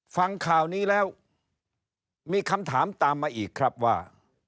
ฟังข่าวนี้แล้วมีคำถามตามมาอีกครับว่า